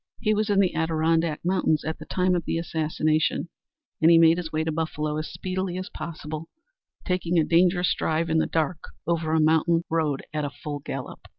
He was in the Adirondack Mountains at the time of the assassination, and he made his way to Buffalo as speedily as possible, taking a dangerous drive in the dark over a mountain road at a full gallop.